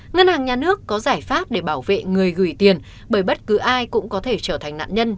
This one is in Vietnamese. ngân hàng nhà nước có giải pháp để bảo vệ người gửi tiền bởi bất cứ ai cũng có thể trở thành nạn nhân